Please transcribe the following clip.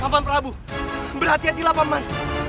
paman prabu berhati hatilah paman